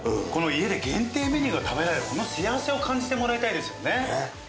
家で限定メニューが食べられるこの幸せを感じてもらいたいですよね。